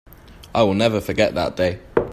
I will never forget that day.